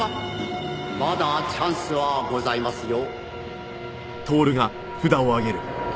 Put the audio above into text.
「まだチャンスはございますよ」